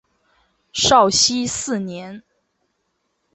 绍熙四年。